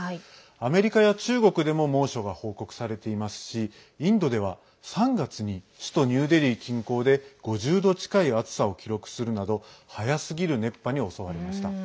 アメリカや中国でも猛暑が報告されていますしインドでは３月に首都ニューデリー近郊で５０度近い暑さを記録するなど早すぎる熱波に襲われました。